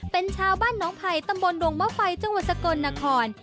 เป็นชาวบ้านน้องไผ่ตำบลดวงมะไฟจังหวัดสกลนคร